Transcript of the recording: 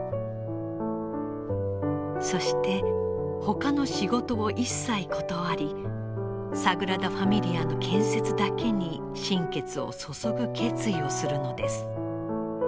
そしてほかの仕事を一切断りサグラダ・ファミリアの建設だけに心血を注ぐ決意をするのです。